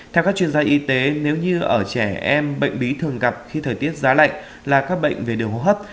theo các chuyên gia y tế nếu như ở trẻ em bệnh bí thường gặp khi thời tiết giá lạnh là các bệnh về đường hô hấp